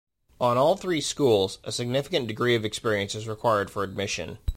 On all three schools, a significant degree of experience is required for admission.